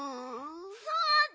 そうだ！